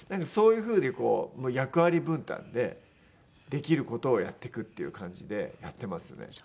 そういう風に役割分担でできる事をやっていくっていう感じでやってますね。